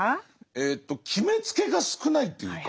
えと決めつけが少ないっていうか。